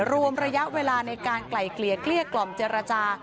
รวมระยะเวลาในกลั่ยเกลียดกรมเจรจรา